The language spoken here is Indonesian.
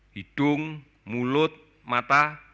hidung mulut mata